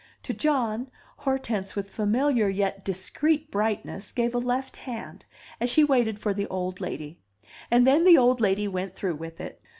To John, Hortense with familiar yet discreet brightness gave a left hand, as she waited for the old lady; and then the old lady went through with it.